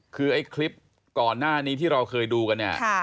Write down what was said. คือไอ้คลิปก่อนหน้านี้ที่เราเคยดูกันเนี่ย